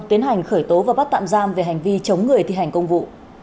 tiến hành khởi tố và bắt tạm giam về hành vi chống người thi hành công vụ